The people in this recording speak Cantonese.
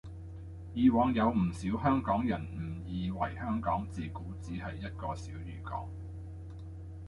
以往有唔少香港人誤以為香港自古只係一個小漁港